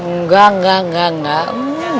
enggak enggak enggak enggak